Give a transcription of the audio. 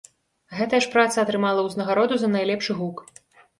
Гэтая ж праца атрымала ўзнагароду за найлепшы гук.